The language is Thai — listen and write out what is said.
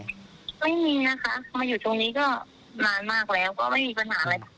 ไม่มีนะคะมาอยู่ตรงนี้ก็นานมากแล้วก็ไม่มีปัญหาอะไร